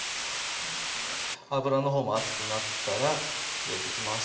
油のほうも熱くなったら焼いていきます